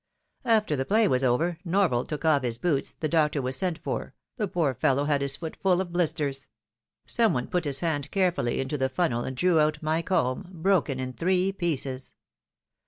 After the play was over, Norval took off his boots, the doctor was €ent for, the poor fellow had his foot full of blisters ; some one put his hand carefully into the funnel and drew out my comb, broken in three pieces.